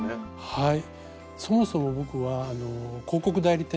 はい。